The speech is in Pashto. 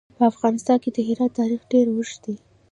په افغانستان کې د هرات تاریخ ډېر اوږد دی.